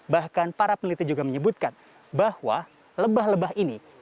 bahkan para peneliti juga menyebutkan bahwa lebah lebah ini